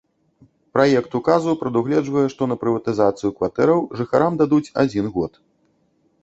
Праект указу прадугледжвае, што на прыватызацыю кватэраў жыхарам дадуць адзін год.